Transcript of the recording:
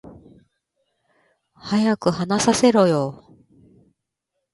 早く話させろよ